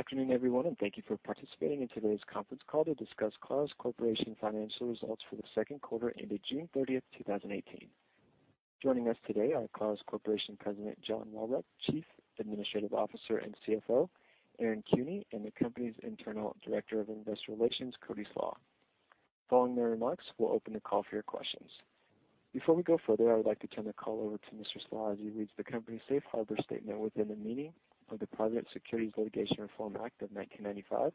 Afternoon, everyone, thank you for participating in today's conference call to discuss Clarus Corporation financial results for the Q2 into June 30th, 2018. Joining us today are Clarus Corporation President, John Walbrecht, Chief Administrative Officer and CFO, Aaron Kuehne, and the company's Internal Director of Investor Relations, Cody Slach. Following their remarks, we'll open the call for your questions. Before we go further, I would like to turn the call over to Mr. Slach as he reads the company's safe harbor statement within the meaning of the Private Securities Litigation Reform Act of 1995,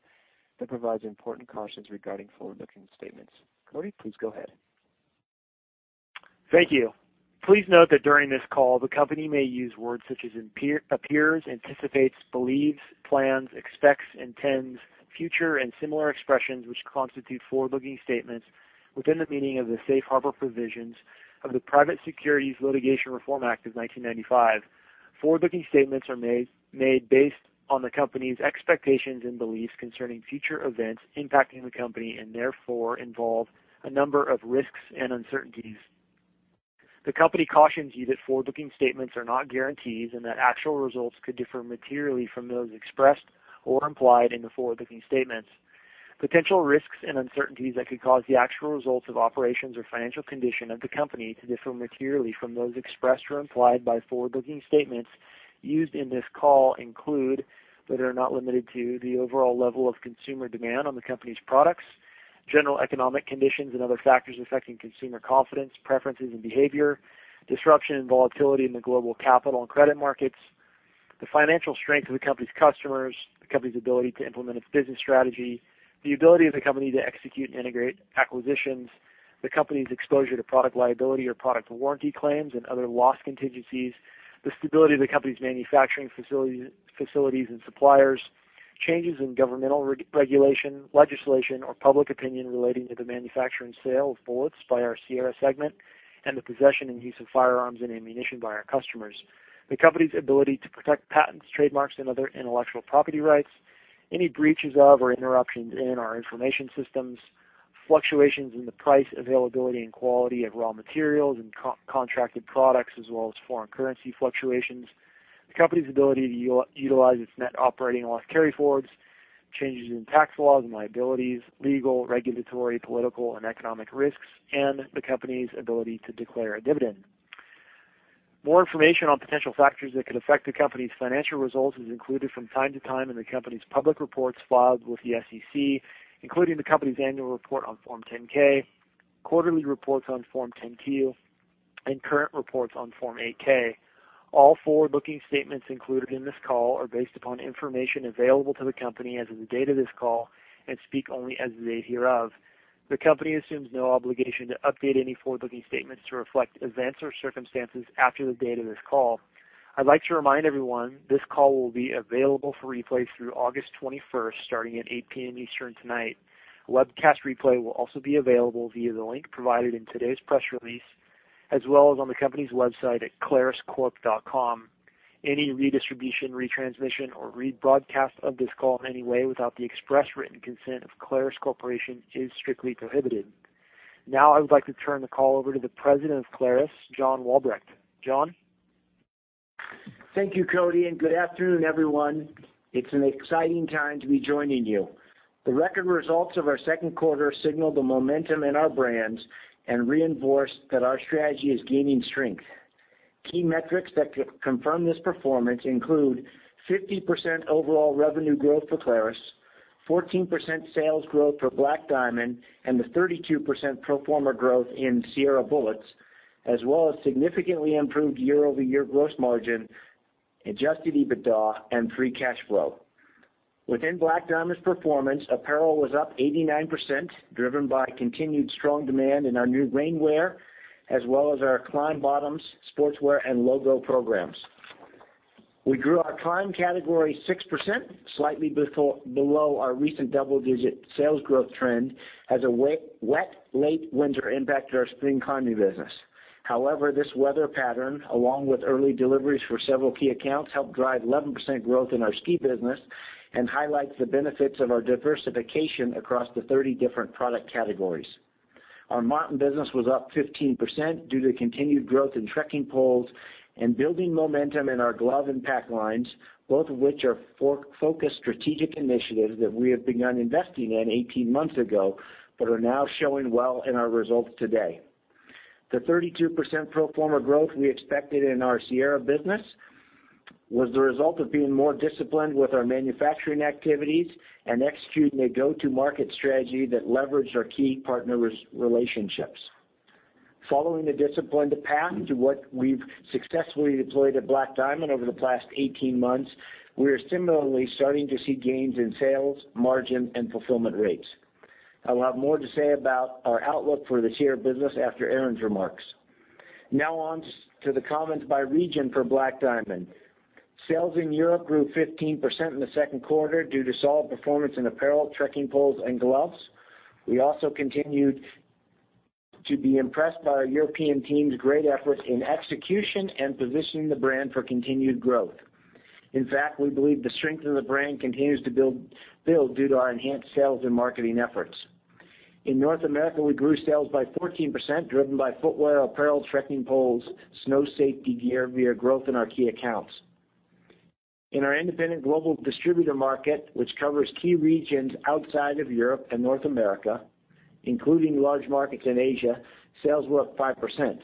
that provides important cautions regarding forward-looking statements. Cody, please go ahead. Thank you. Please note that during this call, the company may use words such as appears, anticipates, believes, plans, expects, intends, future, and similar expressions, which constitute forward-looking statements within the meaning of the safe harbor provisions of the Private Securities Litigation Reform Act of 1995. Forward-looking statements are made based on the company's expectations and beliefs concerning future events impacting the company, and therefore involve a number of risks and uncertainties. The company cautions you that forward-looking statements are not guarantees, and that actual results could differ materially from those expressed or implied in the forward-looking statements. Potential risks and uncertainties that could cause the actual results of operations or financial condition of the company to differ materially from those expressed or implied by forward-looking statements used in this call include, but are not limited to, The overall level of consumer demand on the company's products, general economic conditions, and other factors affecting consumer confidence, preferences, and behavior, disruption and volatility in the global capital and credit markets, the financial strength of the company's customers, the company's ability to implement its business strategy, the ability of the company to execute and integrate acquisitions, The company's exposure to product liability or product warranty claims and other loss contingencies, the stability of the company's manufacturing facilities and suppliers, changes in governmental regulation, legislation, or public opinion relating to the manufacture and sale of bullets by our Sierra segment, and the possession and use of firearms and ammunition by our customers. The company's ability to protect patents, trademarks, and other intellectual property rights, any breaches of or interruptions in our information systems, fluctuations in the price, availability, and quality of raw materials and contracted products, as well as foreign currency fluctuations, the company's ability to utilize its Net Operating Loss carryforwards, changes in tax laws and liabilities, legal, regulatory, political, and economic risks, and the company's ability to declare a dividend. More information on potential factors that could affect the company's financial results is included from time to time in the company's public reports filed with the SEC, including the company's annual report on Form 10-K, quarterly reports on Form 10-Q, and current reports on Form 8-K. All forward-looking statements included in this call are based upon information available to the company as of the date of this call and speak only as of the date hereof. The company assumes no obligation to update any forward-looking statements to reflect events or circumstances after the date of this call. I'd like to remind everyone, this call will be available for replay through August 21st, starting at 8:00 P.M. Eastern tonight. A webcast replay will also be available via the link provided in today's press release, as well as on the company's website at claruscorp.com. Any redistribution, retransmission, or rebroadcast of this call in any way without the express written consent of Clarus Corporation is strictly prohibited. Now I would like to turn the call over to the President of Clarus, John Walbrecht. John? Thank you, Cody, and good afternoon, everyone. It's an exciting time to be joining you. The record results of our Q2 signal the momentum in our brands and reinforce that our strategy is gaining strength. Key metrics that confirm this performance include 50% overall revenue growth for Clarus, 14% sales growth for Black Diamond, and the 32% pro forma growth in Sierra Bullets, as well as significantly improved year-over-year gross margin, adjusted EBITDA, and free cash flow. Within Black Diamond's performance, apparel was up 89%, driven by continued strong demand in our new rainwear, as well as our climb bottoms, sportswear, and logo programs. We grew our climb category 6%, slightly below our recent double-digit sales growth trend, as a wet, late winter impacted our spring climbing business. This weather pattern, along with early deliveries for several key accounts, helped drive 11% growth in our ski business and highlights the benefits of our diversification across the 30 different product categories. Our Mountain business was up 15% due to continued growth in trekking poles and building momentum in our glove and pack lines, both of which are focused strategic initiatives that we have begun investing in 18 months ago, but are now showing well in our results today. The 32% pro forma growth we expected in our Sierra business was the result of being more disciplined with our manufacturing activities and executing a go-to-market strategy that leveraged our key partner relationships. Following the disciplined path to what we've successfully deployed at Black Diamond over the past 18 months, we are similarly starting to see gains in sales, margin, and fulfillment rates. I'll have more to say about our outlook for the Sierra business after Aaron's remarks. Now on to the comments by region for Black Diamond. Sales in Europe grew 15% in the Q2 due to solid performance in apparel, trekking poles, and gloves. We also continued to be impressed by our European team's great efforts in execution and positioning the brand for continued growth. In fact, we believe the strength in the brand continues to build due to our enhanced sales and marketing efforts. In North America, we grew sales by 14%, driven by footwear, apparel, trekking poles, snow safety gear via growth in our key accounts. In our independent global distributor market, which covers key regions outside of Europe and North America, including large markets in Asia, sales were up 5%.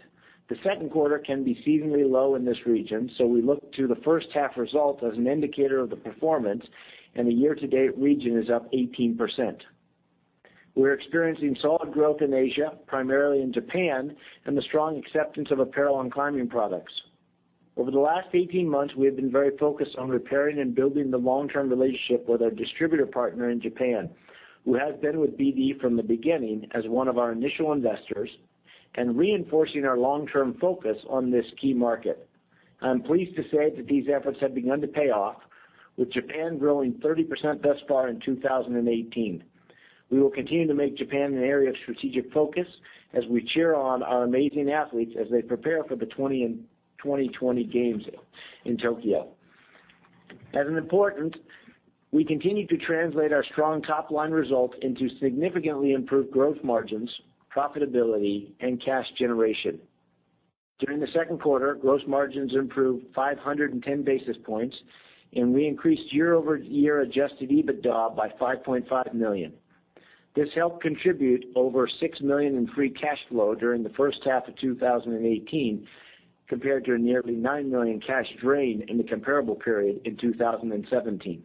The Q2 can be seasonally low in this region, so we look to the first half result as an indicator of the performance, and the year-to-date region is up 18%. We are experiencing solid growth in Asia, primarily in Japan, and the strong acceptance of apparel and climbing products. Over the last 18 months, we have been very focused on repairing and building the long-term relationship with our distributor partner in Japan, who has been with BD from the beginning as one of our initial investors, and reinforcing our long-term focus on this key market. I'm pleased to say that these efforts have begun to pay off, with Japan growing 30% thus far in 2018. We will continue to make Japan an area of strategic focus as we cheer on our amazing athletes as they prepare for the 2020 games in Tokyo. As important, we continue to translate our strong top-line results into significantly improved gross margins, profitability, and cash generation. During the Q2, gross margins improved 510 basis points, and we increased year-over-year adjusted EBITDA by $5.5 million. This helped contribute over $6 million in free cash flow during the first half of 2018, compared to a nearly $9 million cash drain in the comparable period in 2017.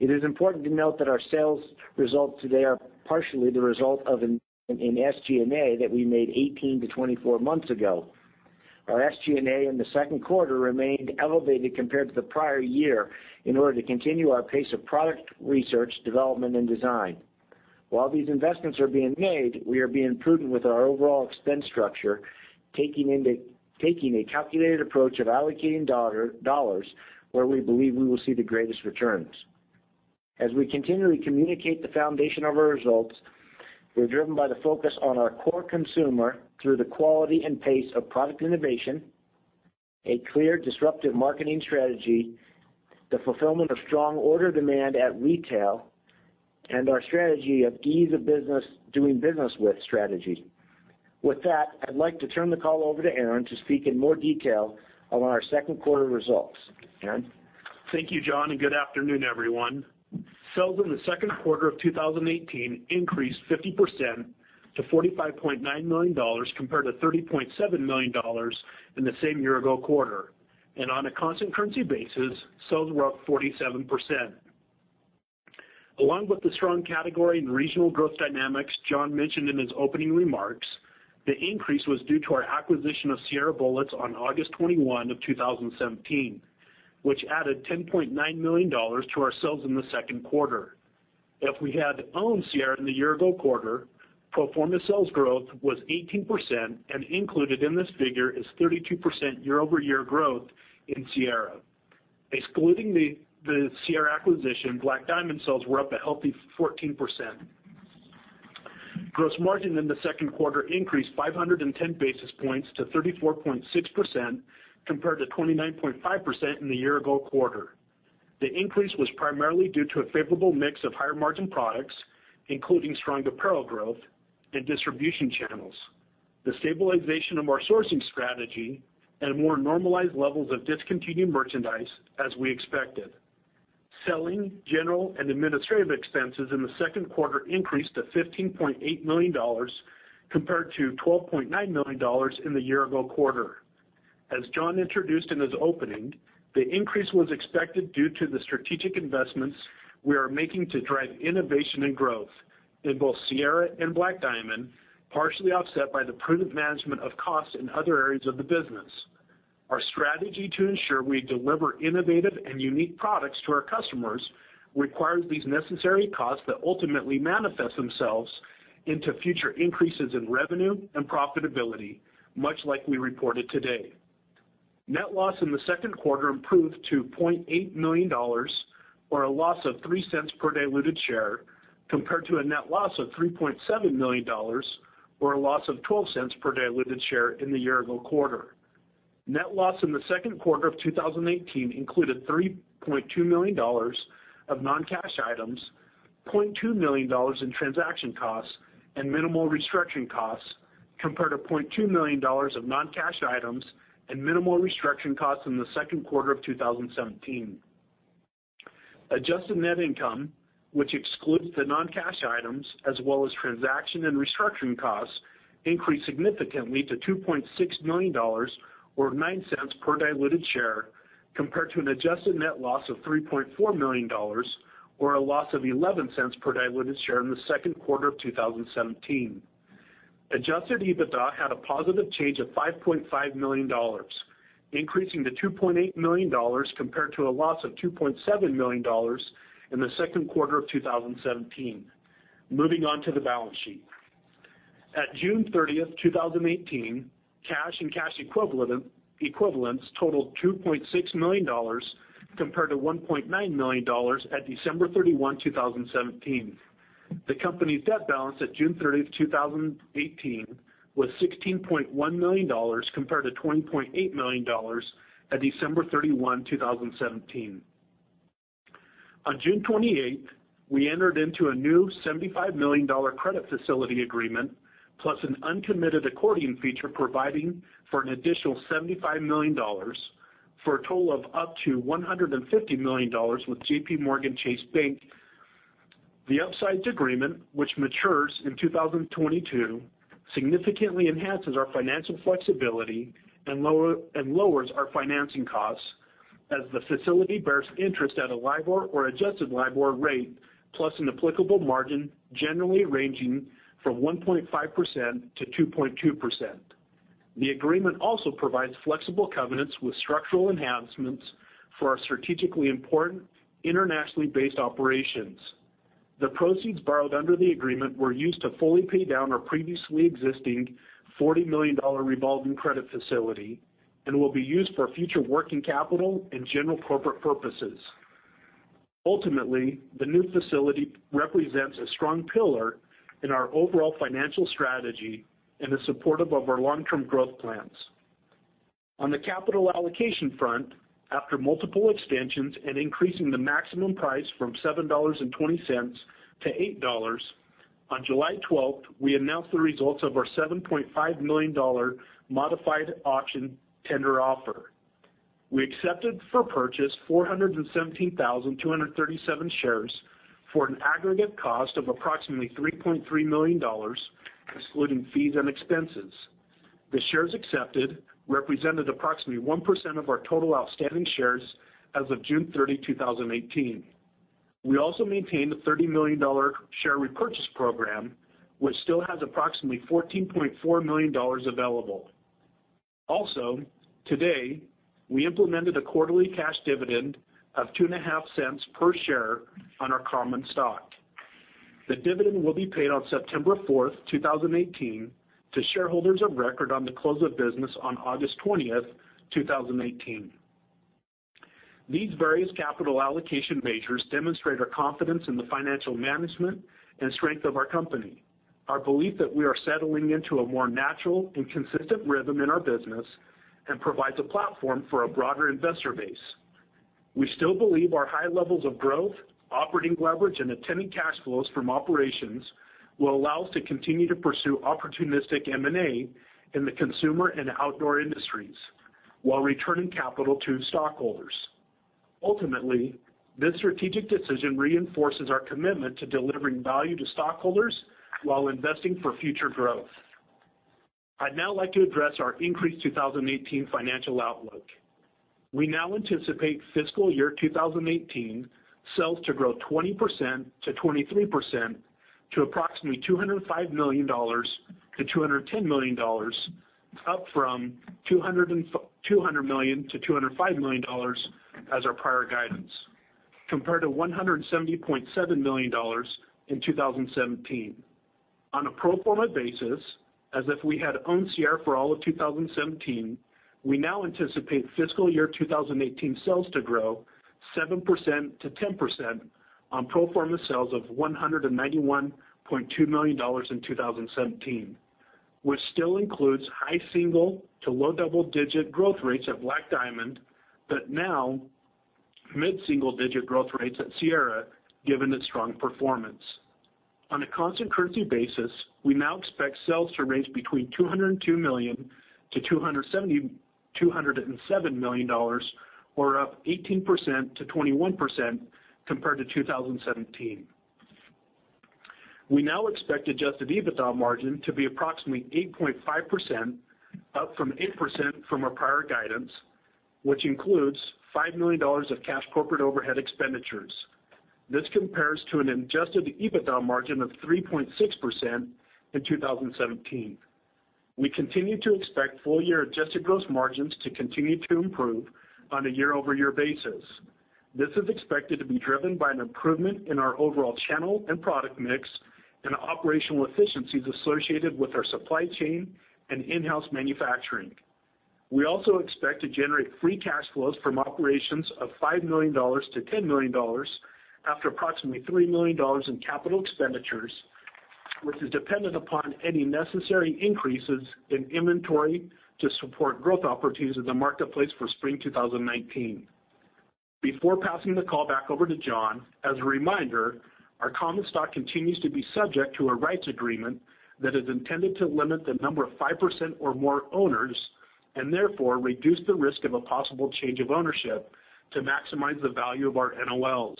It is important to note that our sales results today are partially the result of an SG&A that we made 18-24 months ago. Our SG&A in the Q2 remained elevated compared to the prior year in order to continue our pace of product research, development, and design. While these investments are being made, we are being prudent with our overall expense structure, taking a calculated approach of allocating dollars where we believe we will see the greatest returns. As we continually communicate the foundation of our results, we're driven by the focus on our core consumer through the quality and pace of product innovation, a clear disruptive marketing strategy, the fulfillment of strong order demand at retail, and our strategy of ease of doing business with strategy. With that, I'd like to turn the call over to Aaron to speak in more detail on our Q2 results. Aaron? Thank you, John, and good afternoon, everyone. Sales in the Q2 of 2018 increased 50% to $45.9 million, compared to $30.7 million in the same year-ago quarter. On a constant currency basis, sales were up 47%. Along with the strong category and regional growth dynamics John mentioned in his opening remarks, the increase was due to our acquisition of Sierra Bullets on August 21st, 2017, which added $10.9 million to our sales in the Q2. If we had owned Sierra in the year-ago quarter, pro forma sales growth was 18%, and included in this figure is 32% year-over-year growth in Sierra. Excluding the Sierra acquisition, Black Diamond sales were up a healthy 14%. Gross margin in the Q2 increased 510 basis points to 34.6%, compared to 29.5% in the year-ago quarter. The increase was primarily due to a favorable mix of higher-margin products, including strong apparel growth and distribution channels, the stabilization of our sourcing strategy, and more normalized levels of discontinued merchandise as we expected. Selling, general, and administrative expenses in the Q2 increased to $15.8 million, compared to $12.9 million in the year-ago quarter. As John introduced in his opening, the increase was expected due to the strategic investments we are making to drive innovation and growth in both Sierra and Black Diamond, partially offset by the prudent management of costs in other areas of the business. Our strategy to ensure we deliver innovative and unique products to our customers requires these necessary costs that ultimately manifest themselves into future increases in revenue and profitability, much like we reported today. Net loss in the Q2 improved to $0.8 million, or a loss of $0.03 per diluted share, compared to a net loss of $3.7 million, or a loss of $0.12 per diluted share in the year-ago quarter. Net loss in the Q2 of 2018 included $3.2 million of non-cash items, $0.2 million in transaction costs and minimal restructuring costs, compared to $0.2 million of non-cash items and minimal restructuring costs in the Q2 of 2017. Adjusted net income, which excludes the non-cash items as well as transaction and restructuring costs, increased significantly to $2.6 million, or $0.09 per diluted share, compared to an adjusted net loss of $3.4 million, or a loss of $0.11 per diluted share in the Q2 of 2017. Adjusted EBITDA had a positive change of $5.5 million, increasing to $2.8 million, compared to a loss of $2.7 million in the Q2 of 2017. Moving on to the balance sheet. At June 30th, 2018, cash and cash equivalents totaled $2.6 million, compared to $1.9 million at December 31, 2017. The company's debt balance at June 30th, 2018, was $16.1 million, compared to $20.8 million at December 31st, 2017. On June 28th, we entered into a new $75 million credit facility agreement, plus an uncommitted accordion feature providing for an additional $75 million, for a total of up to $150 million with JPMorgan Chase Bank. The upsized agreement, which matures in 2022, significantly enhances our financial flexibility and lowers our financing costs as the facility bears interest at a LIBOR or adjusted LIBOR rate, plus an applicable margin generally ranging from 1.5%-2.2%. The agreement also provides flexible covenants with structural enhancements for our strategically important internationally based operations. The proceeds borrowed under the agreement were used to fully pay down our previously existing $40 million revolving credit facility and will be used for future working capital and general corporate purposes. Ultimately, the new facility represents a strong pillar in our overall financial strategy and is supportive of our long-term growth plans. On the capital allocation front, after multiple extensions and increasing the maximum price from $7.20-$8, on July 12th, we announced the results of our $7.5 million modified auction tender offer. We accepted for purchase 417,237 shares for an aggregate cost of approximately $3.3 million, excluding fees and expenses. The shares accepted represented approximately 1% of our total outstanding shares as of June 30th, 2018. We also maintained a $30 million share repurchase program, which still has approximately $14.4 million available. Also, today, we implemented a quarterly cash dividend of $0.025 per share on our common stock. The dividend will be paid on September 4th, 2018 to shareholders of record on the close of business on August 20th, 2018. These various capital allocation measures demonstrate our confidence in the financial management and strength of our company, our belief that we are settling into a more natural and consistent rhythm in our business, and provides a platform for a broader investor base. We still believe our high levels of growth, operating leverage, and attending cash flows from operations will allow us to continue to pursue opportunistic M&A in the consumer and outdoor industries while returning capital to stockholders. Ultimately, this strategic decision reinforces our commitment to delivering value to stockholders while investing for future growth. I'd now like to address our increased 2018 financial outlook. We now anticipate fiscal year 2018 sales to grow 20%-23% to approximately $205 million-$210 million, up from $200 million-$205 million as our prior guidance, compared to $170.7 million in 2017. On a pro forma basis, as if we had owned Sierra for all of 2017, we now anticipate fiscal year 2018 sales to grow 7%-10% on pro forma sales of $191.2 million in 2017, Which still includes high single to low double-digit growth rates at Black Diamond, but now mid-single digit growth rates at Sierra, given its strong performance. On a constant currency basis, we now expect sales to range between $202 million-$207 million, or up 18%-21% compared to 2017. We now expect adjusted EBITDA margin to be approximately 8.5%, up from 8% from our prior guidance, which includes $5 million of cash corporate overhead expenditures. This compares to an adjusted EBITDA margin of 3.6% in 2017. We continue to expect full-year adjusted gross margins to continue to improve on a year-over-year basis. This is expected to be driven by an improvement in our overall channel and product mix and operational efficiencies associated with our supply chain and in-house manufacturing. We also expect to generate free cash flows from operations of $5 million-$10 million after approximately $3 million in capital expenditures, which is dependent upon any necessary increases in inventory to support growth opportunities in the marketplace for spring 2019. Before passing the call back over to John, as a reminder, our common stock continues to be subject to a rights agreement that is intended to limit the number of 5% or more owners, and therefore reduce the risk of a possible change of ownership to maximize the value of our NOLs.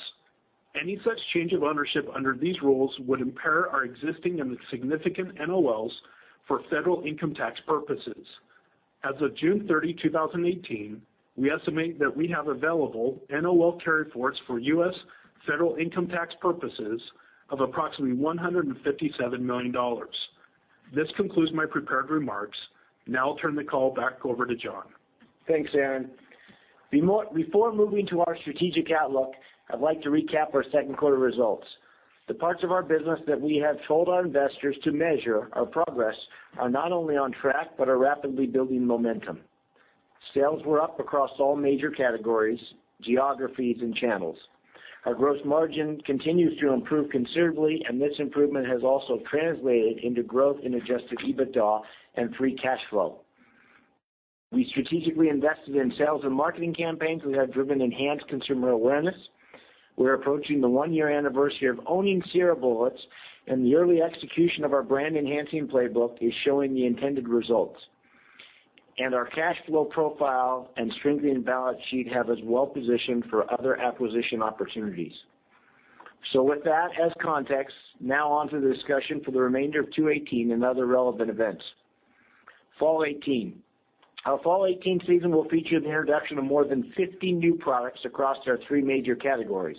Any such change of ownership under these rules would impair our existing and significant NOLs for federal income tax purposes. As of June 30th, 2018, we estimate that we have available NOL carryforwards for U.S. federal income tax purposes of approximately $157 million. This concludes my prepared remarks. Now I'll turn the call back over to John. Thanks, Aaron. Before moving to our strategic outlook, I'd like to recap our Q2 results. The parts of our business that we have told our investors to measure our progress are not only on track but are rapidly building momentum. Sales were up across all major categories, geographies, and channels. Our gross margin continues to improve considerably, and this improvement has also translated into growth in adjusted EBITDA and free cash flow. We strategically invested in sales and marketing campaigns that have driven enhanced consumer awareness. We're approaching the one-year anniversary of owning Sierra Bullets, and the early execution of our brand-enhancing playbook is showing the intended results. Our cash flow profile and strengthening balance sheet have us well-positioned for other acquisition opportunities. With that as context, now on to the discussion for the remainder of 2018 and other relevant events. Fall 2018. Our Fall 2018 season will feature the introduction of more than 50 new products across our three major categories.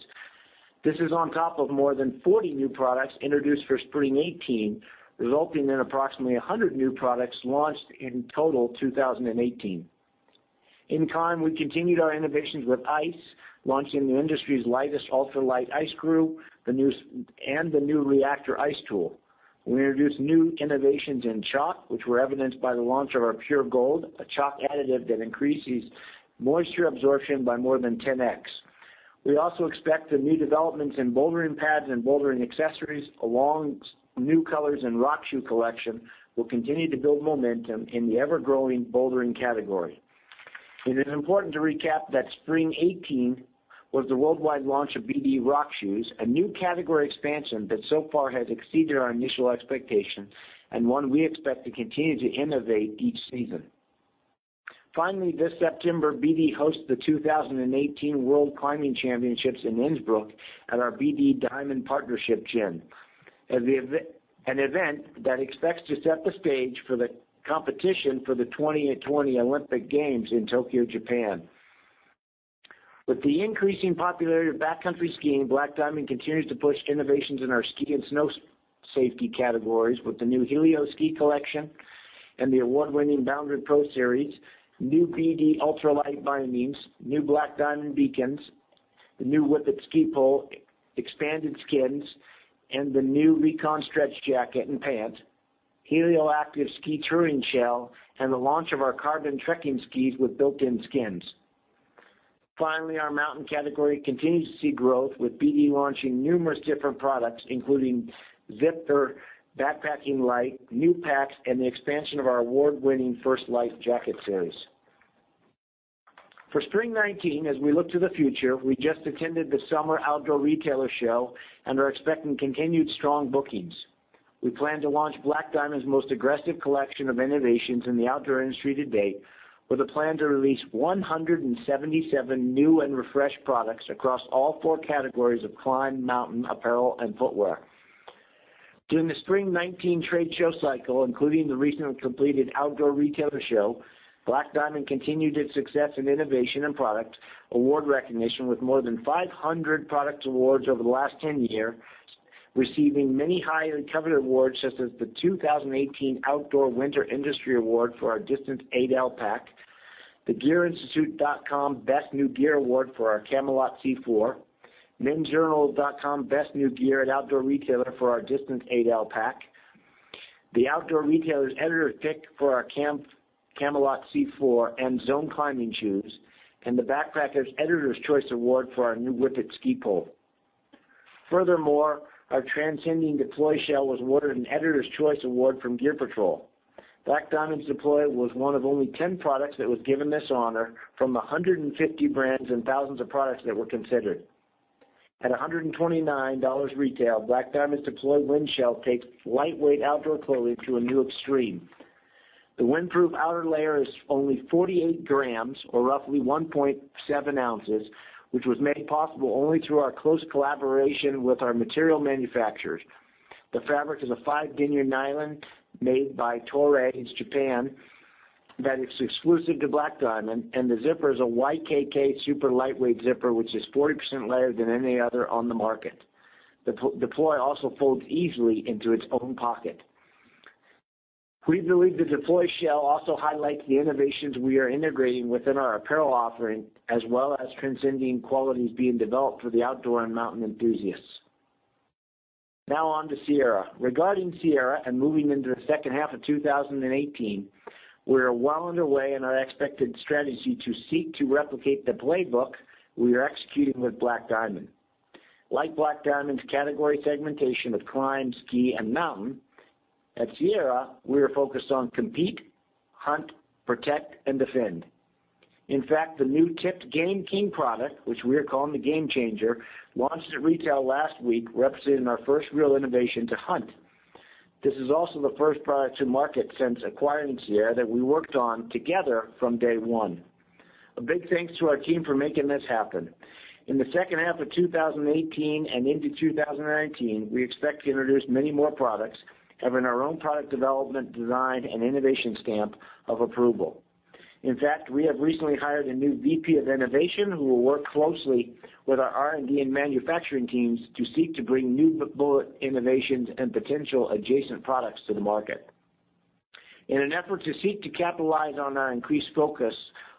This is on top of more than 40 new products introduced for Spring 2018, resulting in approximately 100 new products launched in total 2018. In Climb, we continued our innovations with ice, launching the industry's lightest ultra-light ice screw, and the new Reactor ice tool. We introduced new innovations in chalk, which were evidenced by the launch of our Pure Gold, a chalk additive that increases moisture absorption by more than 10x. We also expect the new developments in bouldering pads and bouldering accessories, along with new colors in rock shoe collection, will continue to build momentum in the ever-growing bouldering category. It is important to recap that Spring 2018 was the worldwide launch of BD rock shoes, a new category expansion that so far has exceeded our initial expectations, and one we expect to continue to innovate each season. Finally, this September, BD hosts the 2018 World Climbing Championships in Innsbruck at our BD Diamond Partnership Gym, an event that expects to set the stage for the competition for the 2020 Olympic Games in Tokyo, Japan. With the increasing popularity of backcountry skiing, Black Diamond continues to push innovations in our ski and snow safety categories with the new Helio ski collection and the award-winning Boundary Pro Series, new BD ultra-light bindings, new Black Diamond beacons, the new Whippet ski pole, expanded skins, and the new Recon stretch jacket and pant, Helio active ski touring shell, and the launch of our Carbon trekking skis with built-in skins. Finally, our Mountain category continues to see growth, with BD launching numerous different products, including Z-pole backpacking light, new packs, and the expansion of our award-winning First Light jacket series. For Spring 2019, as we look to the future, we just attended the Summer Outdoor Retailer show and are expecting continued strong bookings. We plan to launch Black Diamond's most aggressive collection of innovations in the outdoor industry to date, with a plan to release 177 new and refreshed products across all 4 categories of climb, mountain, apparel, and footwear. During the Spring 2019 trade show cycle, including the recently completed Outdoor Retailer show, Black Diamond continued its success in innovation and product award recognition with more than 500 product awards over the last 10 years, receiving many highly coveted awards, such as the 2018 Outdoor Winter Industry Award for our Distance 8L pack, the gearinstitute.com Best New Gear award for our Camalot C4, mensjournal.com Best New Gear and Outdoor Retailer for our Distance 8L pack, the Outdoor Retailer's Editor Pick for our Camalot C4 and Zone climbing shoes, and the Backpacker's Editor's Choice Award for our new Whippet ski pole. Furthermore, our Transcending Deploy shell was awarded an Editor's Choice Award from Gear Patrol. Black Diamond's Deploy was one of only 10 products that was given this honor from 150 brands and thousands of products that were considered. At $129 retail, Black Diamond's Deploy wind shell takes lightweight outdoor clothing to a new extreme. The windproof outer layer is only 48 grams or roughly 1.7 ounces, which was made possible only through our close collaboration with our material manufacturers. The fabric is a five-denier nylon made by Toray in Japan that is exclusive to Black Diamond. The zipper is a YKK super lightweight zipper, which is 40% lighter than any other on the market. The Deploy also folds easily into its own pocket. We believe the Deploy shell also highlights the innovations we are integrating within our apparel offering, as well as transcending qualities being developed for the outdoor and mountain enthusiasts. On to Sierra. Regarding Sierra and moving into the second half of 2018, we're well underway in our expected strategy to seek to replicate the playbook we are executing with Black Diamond. Like Black Diamond's category segmentation of climb, ski, and mountain, at Sierra, we are focused on compete, hunt, protect, and defend. In fact, the new Tipped GameKing product, which we are calling the Game Changer, launched at retail last week, representing our first real innovation to hunt. This is also the first product to market since acquiring Sierra that we worked on together from day one. A big thanks to our team for making this happen. In the second half of 2018 and into 2019, we expect to introduce many more products, having our own product development, design, and innovation stamp of approval. In fact, we have recently hired a new VP of innovation who will work closely with our R&D and manufacturing teams to seek to bring new bullet innovations and potential adjacent products to the market. In an effort to seek to capitalize on our increased focus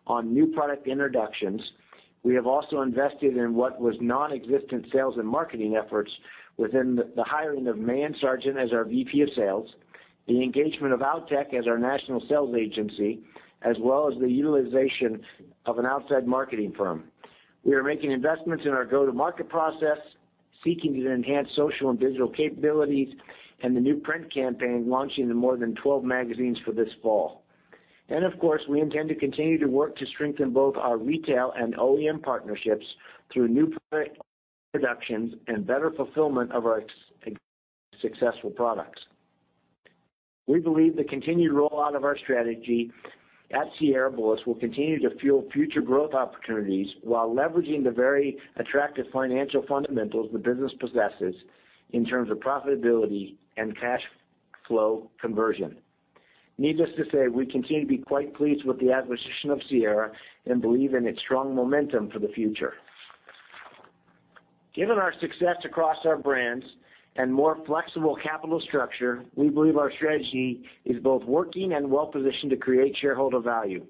on new product introductions, we have also invested in what was non-existent sales and marketing efforts within the hiring of Mayon Sargeant as our VP of Sales, the engagement of Outtech as our national sales agency, as well as the utilization of an outside marketing firm. We are making investments in our go-to-market process, seeking to enhance social and digital capabilities, and the new print campaign launching in more than 12 magazines for this fall. Of course, we intend to continue to work to strengthen both our retail and OEM partnerships through new product introductions and better fulfillment of our successful products. We believe the continued rollout of our strategy at Sierra, Bill, will continue to fuel future growth opportunities while leveraging the very attractive financial fundamentals the business possesses in terms of profitability and cash flow conversion. Needless to say, we continue to be quite pleased with the acquisition of Sierra and believe in its strong momentum for the future. Given our success across our brands and more flexible capital structure, we believe our strategy is both working and well-positioned to create shareholder value.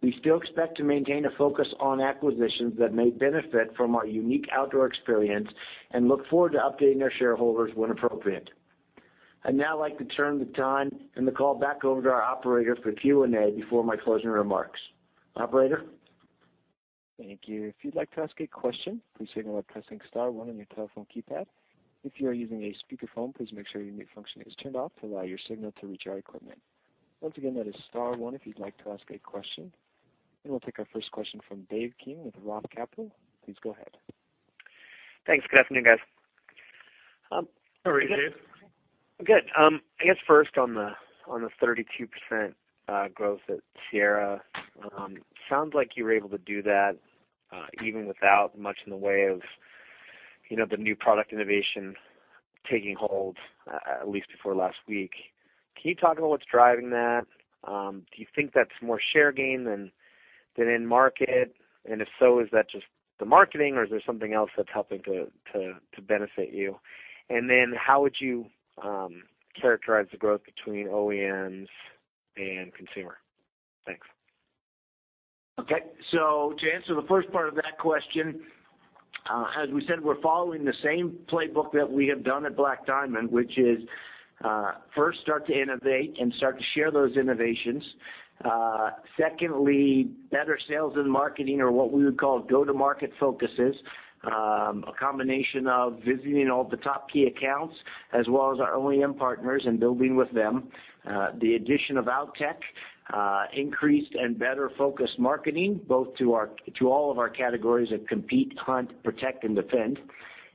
We still expect to maintain a focus on acquisitions that may benefit from our unique outdoor experience and look forward to updating our shareholders when appropriate. I'd now like to turn the time and the call back over to our operator for Q&A before my closing remarks. Operator? Thank you. We'll take our first question from Dave King with Roth Capital Partners. Please go ahead. Thanks. Good afternoon, guys. How are you, Dave? Good. I guess first on the 32% growth at Sierra, sounds like you were able to do that even without much in the way of the new product innovation taking hold, at least before last week. Can you talk about what's driving that? Do you think that's more share gain than in market? If so, is that just the marketing or is there something else that's helping to benefit you? How would you characterize the growth between OEMs and consumer? Thanks. To answer the first part of that question, as we said, we're following the same playbook that we have done at Black Diamond, which is, first start to innovate and start to share those innovations. Secondly, better sales and marketing or what we would call go-to-market focuses. A combination of visiting all the top key accounts, as well as our OEM partners and building with them. The addition of Outtech. Increased and better-focused marketing, both to all of our categories of compete, hunt, protect and defend.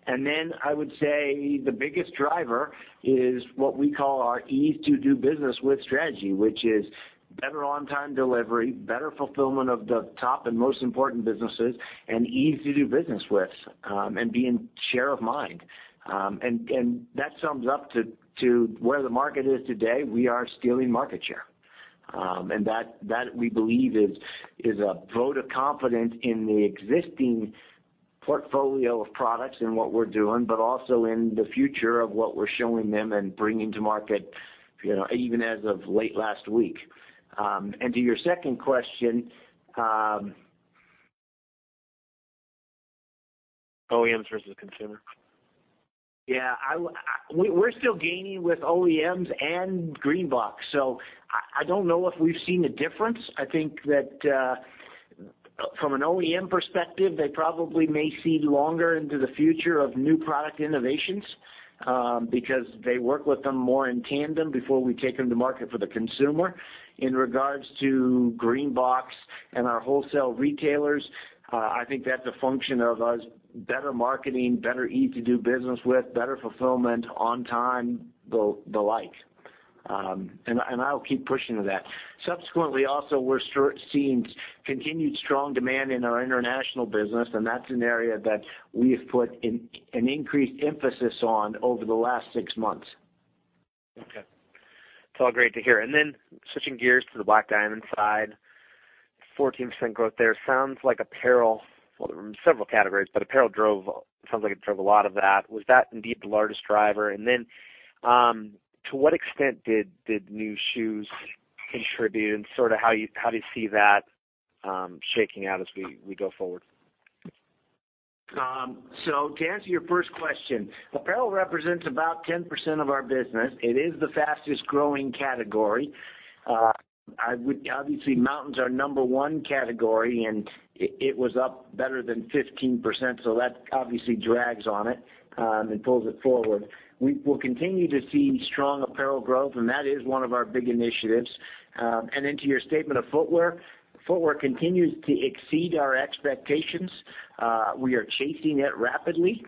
I would say the biggest driver is what we call our ease to do business with strategy, which is better on-time delivery, better fulfillment of the top and most important businesses, and ease to do business with, and being share of mind. That sums up to where the market is today. We are stealing market share. That we believe is a vote of confidence in the existing portfolio of products and what we're doing, but also in the future of what we're showing them and bringing to market, even as of late last week. To your second question. OEMs versus consumer. Yeah. We're still gaining with OEMs and green box, I don't know if we've seen a difference. I think that from an OEM perspective, they probably may see longer into the future of new product innovations, because they work with them more in tandem before we take them to market for the consumer. In regards to green box and our wholesale retailers, I think that's a function of us better marketing, better ease to do business with, better fulfillment on time, the like. I'll keep pushing to that. Subsequently also, we're seeing continued strong demand in our international business, that's an area that we've put an increased emphasis on over the last six months. Okay. It's all great to hear. Switching gears to the Black Diamond side, 14% growth there. Sounds like apparel, well, several categories, but apparel drove, sounds like it drove a lot of that. Was that indeed the largest driver? To what extent did the new shoes contribute and how do you see that shaking out as we go forward? To answer your first question, apparel represents about 10% of our business. It is the fastest-growing category. Obviously, mountains are our number 1 category, and it was up better than 15%, so that obviously drags on it and pulls it forward. We'll continue to see strong apparel growth, and that is one of our big initiatives. To your statement of footwear. Footwear continues to exceed our expectations. We are chasing it rapidly.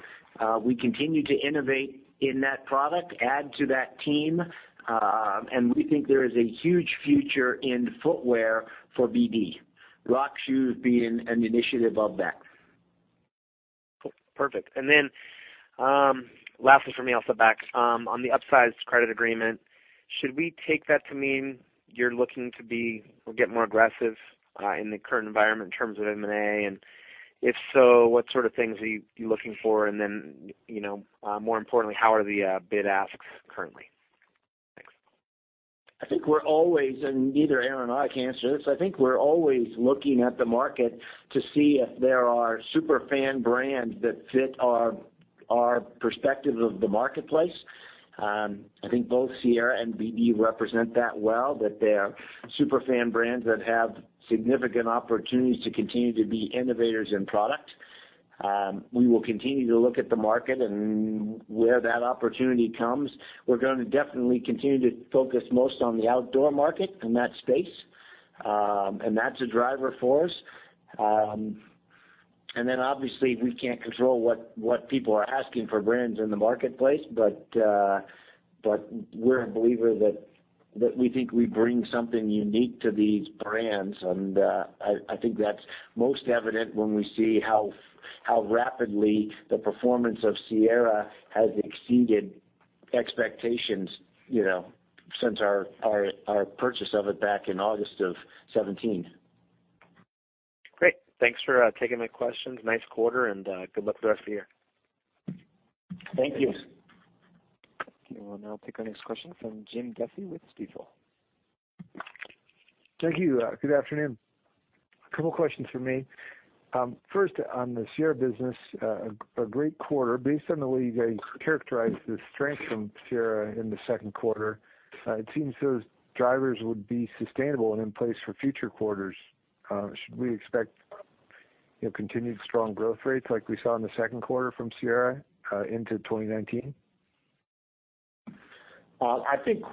We continue to innovate in that product, add to that team, and we think there is a huge future in footwear for BD. Rock shoes being an initiative of that. Cool. Perfect. Lastly from me also back on the upsized credit agreement, should we take that to mean you're looking to be or get more aggressive in the current environment in terms of M&A? If so, what sort of things are you looking for? More importantly, how are the bid asks currently? Thanks. I think we're always, and either Aaron or I can answer this. I think we're always looking at the market to see if there are super fan brands that fit our perspective of the marketplace. I think both Sierra and BD represent that well, that they are super fan brands that have significant opportunities to continue to be innovators in product. We will continue to look at the market and where that opportunity comes. We're going to definitely continue to focus most on the outdoor market and that space. That's a driver for us. Obviously we can't control what people are asking for brands in the marketplace, but we're a believer that we think we bring something unique to these brands. I think that's most evident when we see how rapidly the performance of Sierra has exceeded expectations, since our purchase of it back in August of 2017. Great. Thanks for taking my questions. Nice quarter, and good luck the rest of the year. Thank you. Okay, we'll now take our next question from Jim Duffy with Stifel. Thank you. Good afternoon. A couple questions from me. First, on the Sierra business, a great quarter. Based on the way you guys characterized the strength from Sierra in the Q2, it seems those drivers would be sustainable and in place for future quarters. Should we expect continued strong growth rates like we saw in the Q2 from Sierra into 2019? I think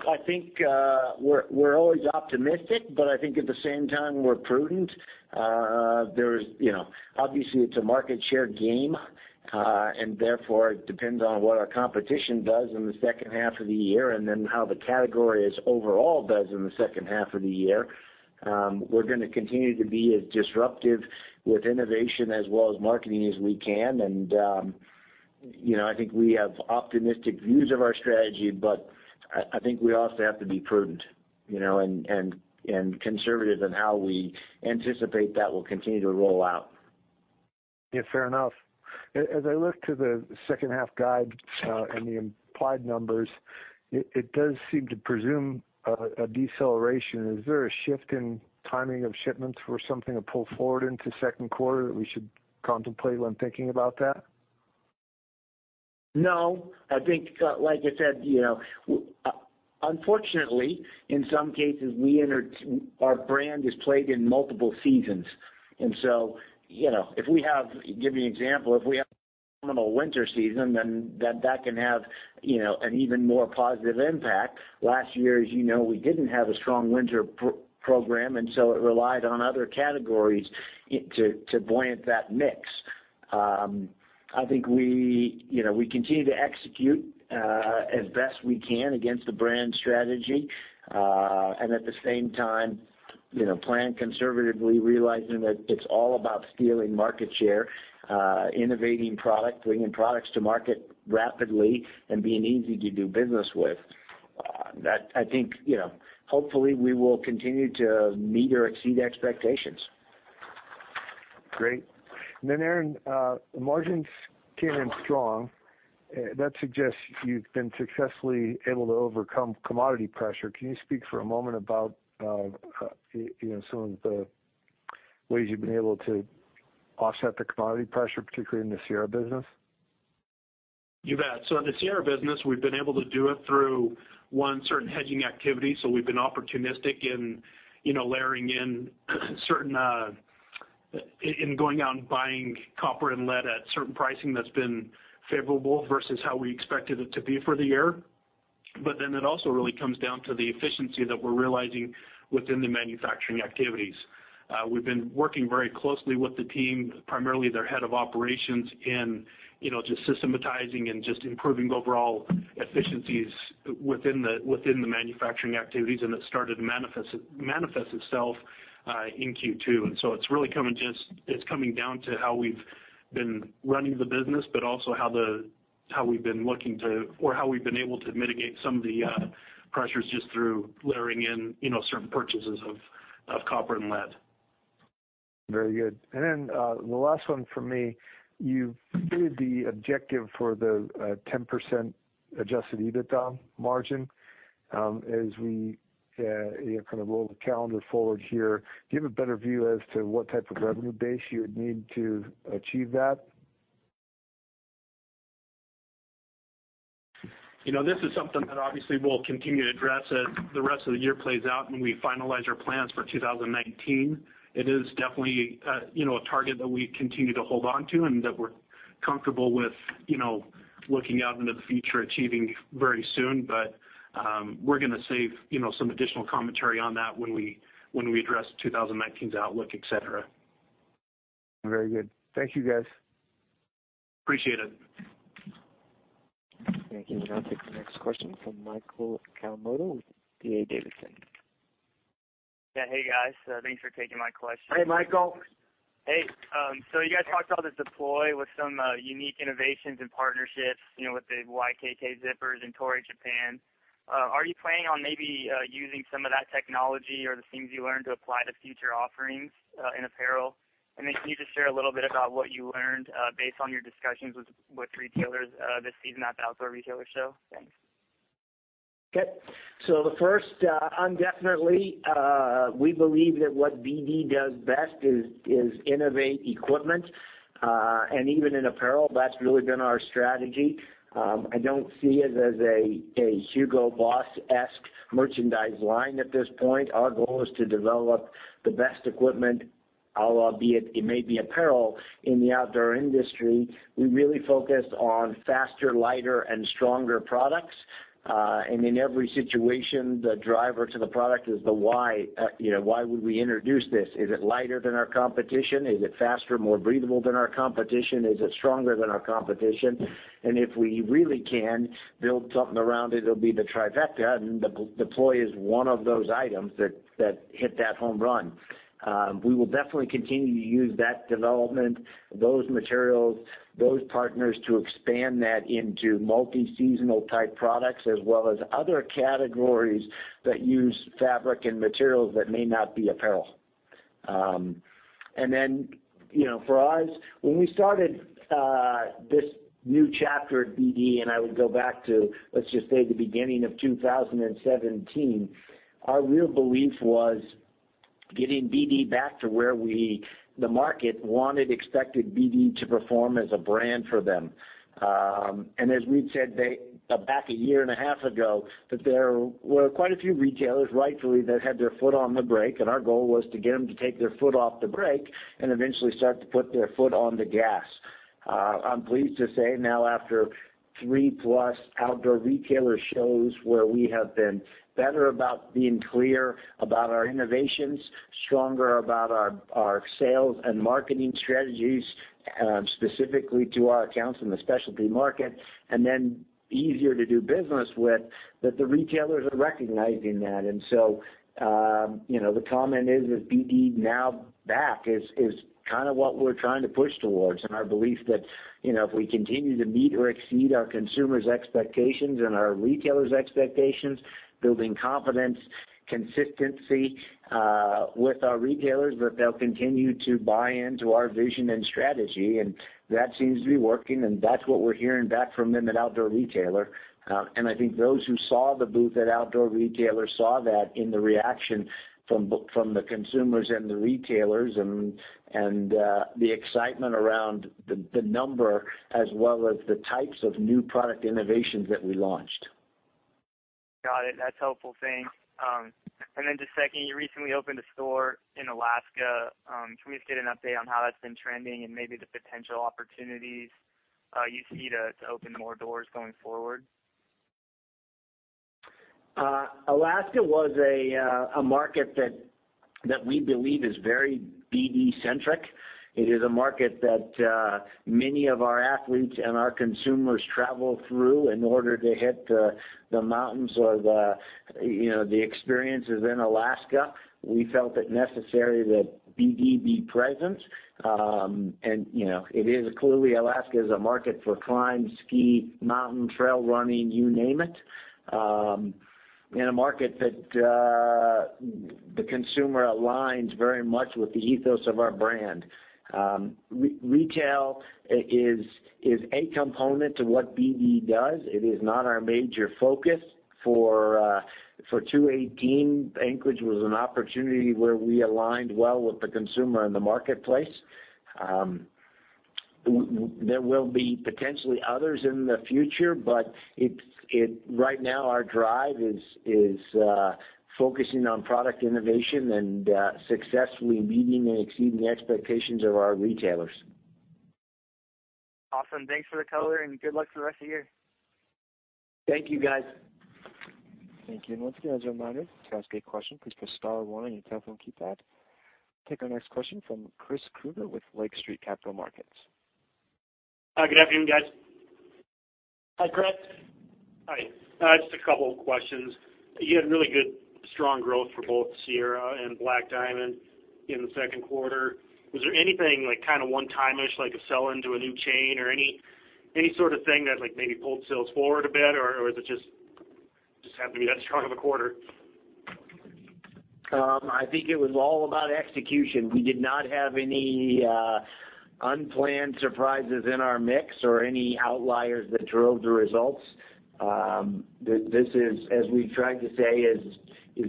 we're always optimistic, but I think at the same time, we're prudent. Obviously, it's a market share game. Therefore, it depends on what our competition does in the second half of the year, and then how the category overall does in the second half of the year. We're going to continue to be as disruptive with innovation as well as marketing as we can. I think we have optimistic views of our strategy, but I think we also have to be prudent, and conservative in how we anticipate that will continue to roll out. Yeah, fair enough. As I look to the second half guide and the implied numbers, it does seem to presume a deceleration. Is there a shift in timing of shipments for something to pull forward into Q2 that we should contemplate when thinking about that? No. I think, like I said, unfortunately, in some cases, our brand is played in multiple seasons. Give you an example, if we have a phenomenal winter season, then that can have an even more positive impact. Last year, as you know, we didn't have a strong winter program, it relied on other categories to buoyant that mix. I think we continue to execute as best we can against the brand strategy. At the same time, plan conservatively, realizing that it's all about stealing market share, innovating product, bringing products to market rapidly, and being easy to do business with. That I think, hopefully, we will continue to meet or exceed expectations. Great. Aaron, margins came in strong. That suggests you've been successfully able to overcome commodity pressure. Can you speak for a moment about some of the ways you've been able to offset the commodity pressure, particularly in the Sierra business? You bet. In the Sierra business, we've been able to do it through, one, certain hedging activities. We've been opportunistic in layering in certain, going out and buying copper and lead at certain pricing that's been favorable versus how we expected it to be for the year. It also really comes down to the efficiency that we're realizing within the manufacturing activities. We've been working very closely with the team, primarily their head of operations in just systematizing and just improving overall efficiencies within the manufacturing activities, and it started to manifest itself in Q2. It's really coming down to how we've been running the business, but also how we've been able to mitigate some of the pressures just through layering in certain purchases of copper and lead. Very good. The last one from me. You've stated the objective for the 10% adjusted EBITDA margin. We kind of roll the calendar forward here, do you have a better view as to what type of revenue base you would need to achieve that? This is something that obviously we'll continue to address as the rest of the year plays out when we finalize our plans for 2019. It is definitely a target that we continue to hold onto and that we're comfortable with looking out into the future achieving very soon. We're going to save some additional commentary on that when we address 2019's outlook, et cetera. Very good. Thank you, guys. Appreciate it. Thank you. We'll now take the next question from Michael Kawamoto with D.A. Davidson. Hey, guys. Thanks for taking my question. Hey, Michael. Hey. You guys talked about the Deploy with some unique innovations and partnerships, with the YKK zippers and Toray, Japan. Are you planning on maybe using some of that technology or the things you learned to apply to future offerings in apparel? Can you just share a little bit about what you learned based on your discussions with retailers this season at the Outdoor Retailer show? Thanks. Okay. The first, indefinitely, we believe that what BD does best is innovate equipment. Even in apparel, that's really been our strategy. I don't see it as a Hugo Boss-esque merchandise line at this point. Our goal is to develop the best equipment, albeit it may be apparel, in the outdoor industry. We really focus on faster, lighter, and stronger products. In every situation, the driver to the product is the why. Why would we introduce this? Is it lighter than our competition? Is it faster, more breathable than our competition? Is it stronger than our competition? If we really can build something around it'll be the trifecta, and the Deploy is one of those items that hit that home run. We will definitely continue to use that development, Those materials, those partners to expand that into multi-seasonal type products, as well as other categories that use fabric and materials that may not be apparel. Then, for us, when we started this new chapter at BD, and I would go back to, let's just say the beginning of 2017, our real belief was getting BD back to where the market wanted, expected BD to perform as a brand for them. As we'd said back a year and a half ago, that there were quite a few retailers rightfully that had their foot on the brake, and our goal was to get them to take their foot off the brake and eventually start to put their foot on the gas. I'm pleased to say now after 3+ Outdoor Retailer shows where we have been better about being clear about our innovations, stronger about our sales and marketing strategies, specifically to our accounts in the specialty market, and then easier to do business with, that the retailers are recognizing that. The comment, "Is BD now back?" is kind of what we're trying to push towards and our belief that if we continue to meet or exceed our consumers' expectations and our retailers' expectations, building confidence, consistency with our retailers, that they'll continue to buy into our vision and strategy. That seems to be working, and that's what we're hearing back from them at Outdoor Retailer. I think those who saw the booth at Outdoor Retailer saw that in the reaction from the consumers and the retailers and the excitement around the number as well as the types of new product innovations that we launched. Got it. That's a helpful thing. Just second, you recently opened a store in Alaska. Can we just get an update on how that's been trending and maybe the potential opportunities you see to open more doors going forward? Alaska was a market that we believe is very BD-centric. It is a market that many of our athletes and our consumers travel through in order to hit the mountains or the experiences in Alaska. We felt it necessary that BD be present. It is, clearly Alaska is a market for climb, ski, mountain, trail running, you name it. In a market that the consumer aligns very much with the ethos of our brand. Retail is a component to what BD does. It is not our major focus. For 2018, Anchorage was an opportunity where we aligned well with the consumer and the marketplace. There will be potentially others in the future, but right now our drive is focusing on product innovation and successfully meeting and exceeding the expectations of our retailers. Awesome. Thanks for the color and good luck for the rest of the year. Thank you, guys. Thank you. Once again, as a reminder, to ask a question, please press star one on your telephone keypad. Take our next question from Chris Krueger with Lake Street Capital Markets. Hi, good afternoon, guys. Hi, Chris. Hi. Just a couple of questions. You had really good, strong growth for both Sierra and Black Diamond in the Q2. Was there anything one-time-ish, like a sell into a new chain or any sort of thing that maybe pulled sales forward a bit, or was it just happened to be that strong of a quarter? I think it was all about execution. We did not have any unplanned surprises in our mix or any outliers that drove the results. This is, as we've tried to say, is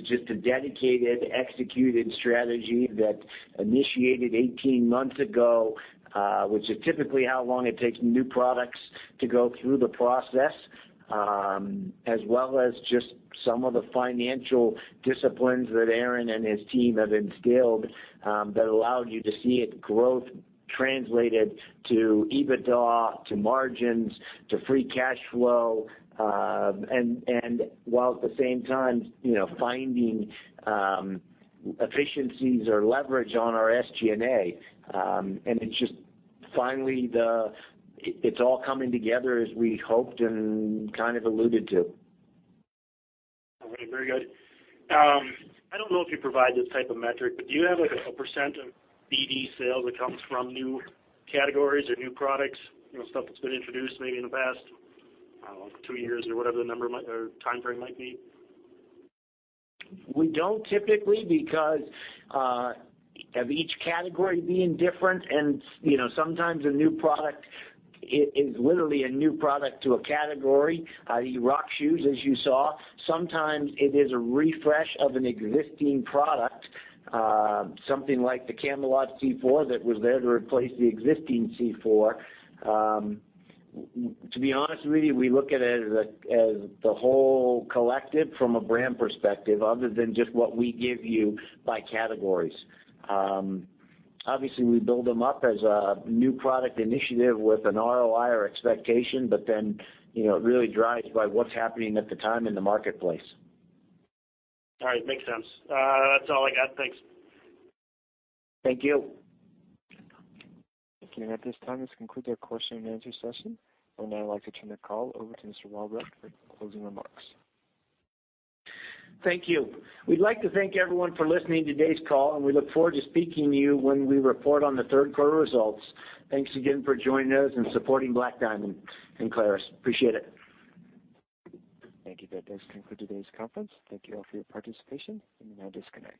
just a dedicated, executed strategy that initiated 18 months ago, which is typically how long it takes new products to go through the process, As well as just some of the financial disciplines that Aaron Kuehne and his team have instilled that allowed you to see growth translated to EBITDA, to margins, to free cash flow, and while at the same time, finding efficiencies or leverage on our SG&A. It's just finally, it's all coming together as we hoped and kind of alluded to. Very good. I don't know if you provide this type of metric, but do you have a % of BD sales that comes from new categories or new products, stuff that's been introduced maybe in the past two years or whatever the number or timeframe might be? We don't typically because of each category being different and sometimes a new product is literally a new product to a category, i.e. rock shoes, as you saw. Sometimes it is a refresh of an existing product. Something like the Camalot C4 that was there to replace the existing C4. To be honest, really, we look at it as the whole collective from a brand perspective other than just what we give you by categories. Obviously, we build them up as a new product initiative with an ROI or expectation, but then it really drives by what's happening at the time in the marketplace. All right. Makes sense. That's all I got. Thanks. Thank you. Thank you. At this time, this concludes our question and answer session. I would now like to turn the call over to Mr. Walbrecht for closing remarks. Thank you. We'd like to thank everyone for listening to today's call, and we look forward to speaking to you when we report on the Q3 results. Thanks again for joining us and supporting Black Diamond and Clarus. Appreciate it. Thank you. That does conclude today's conference. Thank you all for your participation. You may now disconnect.